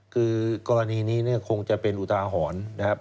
คือกรณีนี้เนี่ยคงจะเป็นอุทาหรณ์นะครับ